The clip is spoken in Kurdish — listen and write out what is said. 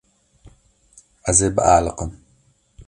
Ez ê bialiqim.